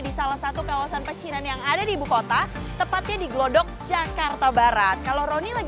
di salah satu kawasan pecinan yang ada di ibu kota tepatnya di glodok jakarta barat kalau roni lagi